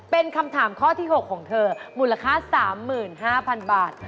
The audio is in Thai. เป็นคำถามข้อที่๖ของเธอมูลค่า๓๕๐๐๐บาท